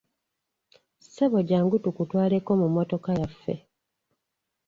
Ssebo jjangu tukutwaleko mu mmotoka yaffe.